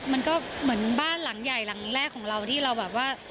มันก็เหมือนบ้านหลังใหญ่หลังแรกของเราที่เราแบบว่า